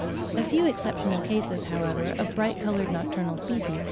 A few exceptional cases, however, of bright coloured nocturnal species have been recorded.